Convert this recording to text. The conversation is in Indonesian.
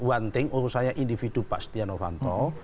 one thing urusannya individu pastianu ranto